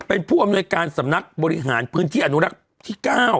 เป็นผู้อำนวยการสำนักบริหารพื้นที่อนุรักษ์ที่๙